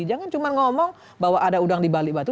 jangan cuma ngomong bahwa ada udang dibalik batu